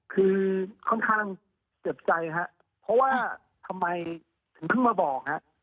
คือค่อนข้างเจ็บใจครับเพราะว่าทำไมถึงเพิ่งมาบอกฮะ